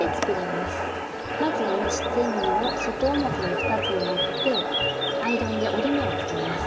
まず持ち手布を外表に２つに折ってアイロンで折り目をつけます。